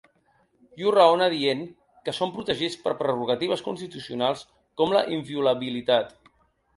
I ho raona, dient que són protegits per prerrogatives constitucionals, com la inviolabilitat.